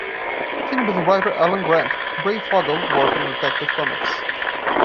Teamed with writer Alan Grant, Breyfogle worked on "Detective Comics".